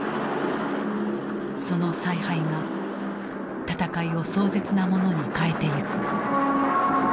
その采配が戦いを壮絶なものに変えてゆく。